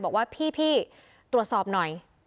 บอกว่าพี่ตรวจสอบหน่อย